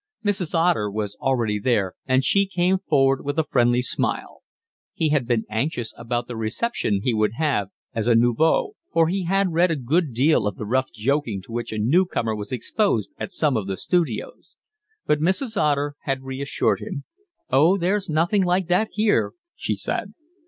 Mrs. Otter was already there, and she came forward with a friendly smile. He had been anxious about the reception he would have as a nouveau, for he had read a good deal of the rough joking to which a newcomer was exposed at some of the studios; but Mrs. Otter had reassured him. "Oh, there's nothing like that here," she said.